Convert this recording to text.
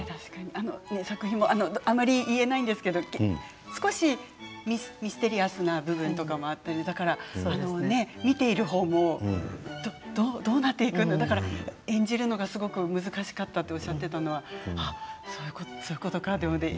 あまり言えないんですけれど少しミステリアスな部分もあったり見ている方もどうなっていくんだろうってだから演じるのがすごく難しかったとおっしゃっていたのはそういうことかって。